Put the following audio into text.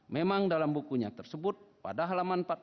memang dalam bukunya tersebut pada halaman